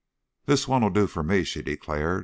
"This one'll do for me," she declared.